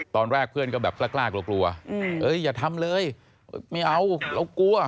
ตอนแรกเพื่อนก็แบบกล้ากลัวกลัวอย่าทำเลยไม่เอาเรากลัว